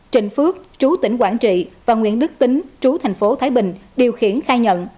trình phước chú tỉnh quảng trị và nguyễn đức tính chú thành phố thái bình điều khiển khai nhận